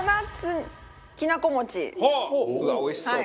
うわっおいしそう！